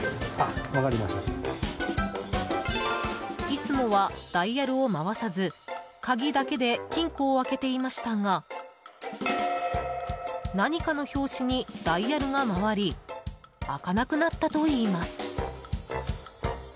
いつもはダイヤルを回さず鍵だけで金庫を開けていましたが何かの拍子にダイヤルが回り開かなくなったといいます。